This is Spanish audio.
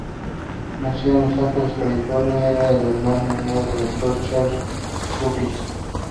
Nacido en Los Ángeles, California, era el hermano menor del actor Charles Ruggles.